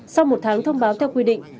sau một tháng thông báo theo quy định